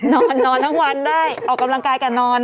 นอนนอนทั้งวันได้ออกกำลังกายกับนอน